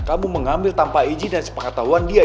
kamu mengambil tanpa izin dan sepakat tahuan dia